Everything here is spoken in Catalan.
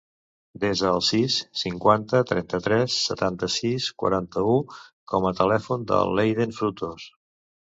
Desa el sis, cinquanta, trenta-tres, setanta-sis, quaranta-u com a telèfon de l'Eiden Frutos.